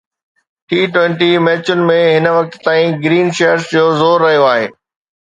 ٽي twenty ميچن ۾ هن وقت تائين گرين شرٽس جو زور رهيو آهي